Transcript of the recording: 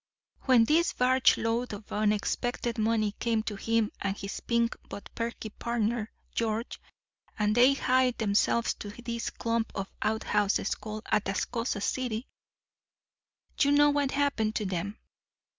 When this barge load of unexpected money came to him and his pink but perky partner, George, and they hied themselves to this clump of outhouses called Atascosa City, you know what happened to them.